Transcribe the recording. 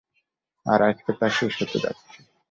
আর আজকে তা শেষ হতে যাচ্ছে।